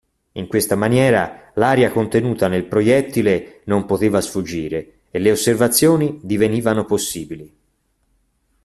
In questa maniera l'aria contenuta nel proiettile non poteva sfuggire e le osservazioni divenivano possibili.